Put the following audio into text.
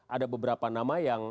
ada beberapa nama yang